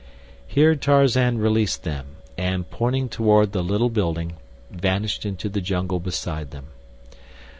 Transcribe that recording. Here Tarzan released them, and, pointing toward the little building, vanished into the jungle beside them.